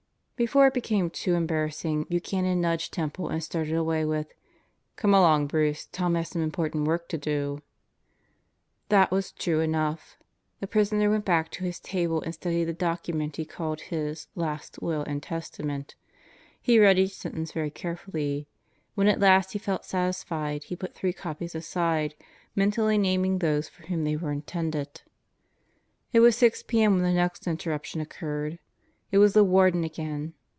Before it became too embarrassing, Buchanan nudged Temple and started away with: "Come along, Bruce, Tom has some important work to do." That was true enough. The prisoner went back to his table and studied the document he called his "Last Will and Testament." He read each sentence very carefully. When at last he felt satis fied, he put three copies aside, mentally naming those for whom they were intended. It was 6 p.m. when the next interruption occurred. It was the Warden again.